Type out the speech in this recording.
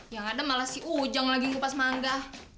yang ada malah si ujang lagi ngupas mangga